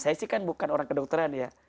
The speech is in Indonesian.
saya sih kan bukan orang kedokteran ya